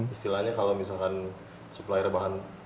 istilahnya kalau misalkan supplier bahan